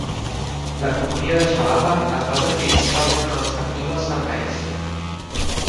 L'economia de Xalapa es basa principalment en el sector dels serveis.